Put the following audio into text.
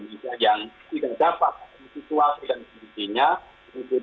nah jadi yang kami lakukan nanti ini akan segera kami sampaikan ke mas nadiem